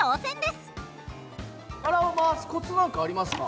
皿を回すコツ何かありますか？